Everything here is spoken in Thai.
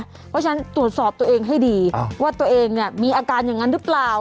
เพราะฉะนั้นตรวจสอบตัวเองให้ดีว่าตัวเองเนี่ยมีอาการอย่างนั้นหรือเปล่า